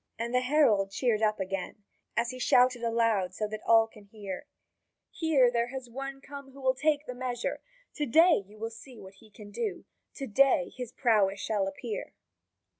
And the herald cheered up again, as he shouted aloud so that all could hear: "Here there has one come who will take the measure! To day you shall see what he can do. To day his prowess shall appear."